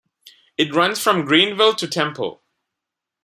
It runs from Greenville to Temple.